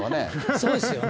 そうですよね。